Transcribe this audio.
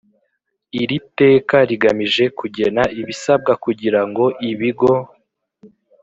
Iri teka rigamije kugena ibisabwa kugira ngo ibigo